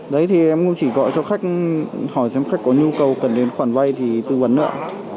đấy thì em không chỉ gọi cho khách hỏi xem khách có nhu cầu cần đến khoản vay thì tư vấn nợ